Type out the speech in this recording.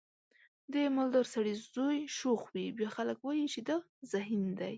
د مالدار سړي زوی شوخ وي بیا خلک وایي چې دا ذهین دی.